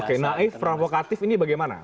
oke naif provokatif ini bagaimana